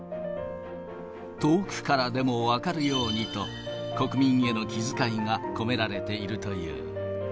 遠くからでも分かるようにと、国民への気遣いが込められているという。